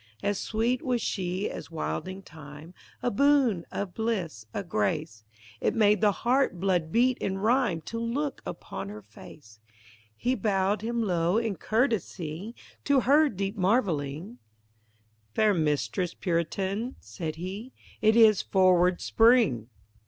As sweet was she as wilding thyme, A boon, a bliss, a grace: It made the heart blood beat in rhyme To look upon her face. He bowed him low in courtesy, To her deep marvelling; "Fair Mistress Puritan," said he, "It is forward spring."